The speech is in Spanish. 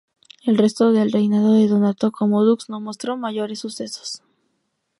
El resto del reinado de Donato como Dux no mostró mayores sucesos.